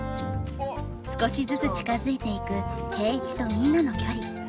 少しずつ近づいていく圭一とみんなの距離。